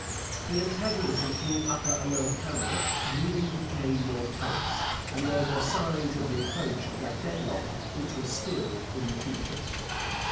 The antagonism between Upper and Lower Canada yearly became more tense, and there were signs of the approach of that deadlock which was still in the future.